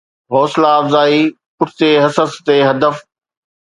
حوصلا افزائي پٺتي حصص تي ھدف